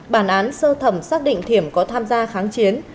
bản án sơ thẩm xác định thiểm có tham gia kháng chiến